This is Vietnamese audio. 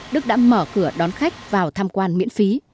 đức đã mở cửa đón khách vào tham quan miễn phí